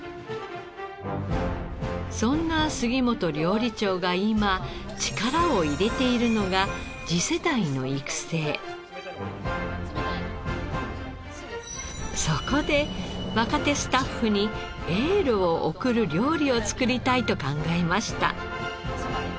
そんな杉本料理長が今力を入れているのがそこで若手スタッフにエールを送る料理を作りたいと考えました。